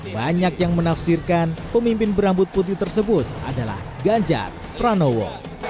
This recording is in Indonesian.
banyak yang menafsirkan pemimpin berambut putih tersebut adalah ganjar pranowo